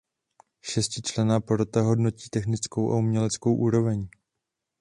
Šestičlenná porota hodnotí technickou a uměleckou úroveň.